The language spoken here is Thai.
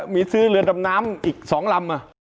มีซื้อเรือดำน้ำอีก๒ลำ